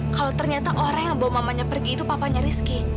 kalau ternyata orang yang bawa mamanya pergi itu papanya rizky